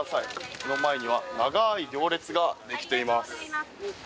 店の前には長い行列ができています。